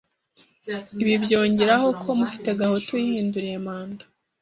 Ibi byongeraho ko Mufti Gahutu yihinduriye manda